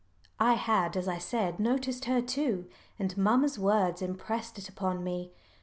I had, as I said, noticed her too, and mamma's words impressed it upon me.